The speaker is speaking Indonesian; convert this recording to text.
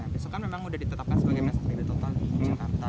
tisu kan memang sudah ditetapkan sebagai psbb total di jakarta